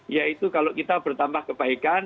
yaitu kalau kita bertambah kebaikan